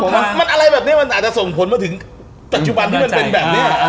มันอะไรแบบนี้มันอาจจะส่งผลมาถึงปัจจุบันที่มันเป็นแบบนี้